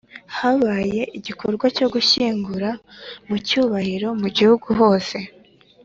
Habaye igikorwa cyo gushyingura mu cyubahiro mu Gihugu hose